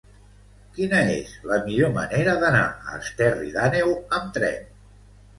Quina és la millor manera d'anar a Esterri d'Àneu amb tren?